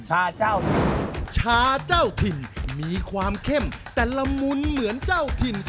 เจ้าชาเจ้าถิ่นมีความเข้มแต่ละมุนเหมือนเจ้าถิ่น